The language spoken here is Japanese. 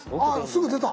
すぐ出た。